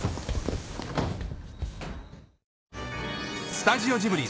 スタジオジブリ